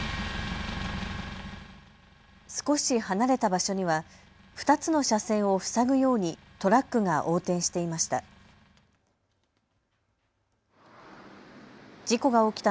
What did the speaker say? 少し離れた場所には２つの車線を塞ぐようにトラックが横転していました。